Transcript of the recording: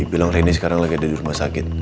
bilang reni sekarang lagi ada di rumah sakit